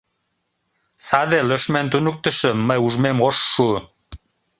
Саде лӧшмӧн туныктышым мый ужмем ош шу.